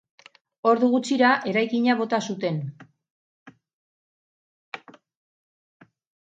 Ordu gutxira, eraikina bota zuten.